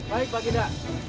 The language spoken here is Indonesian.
baik pak gita